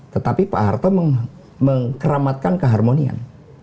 tetapi pak harto mengkeramatkan keharmonian